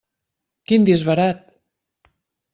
Quin disbarat!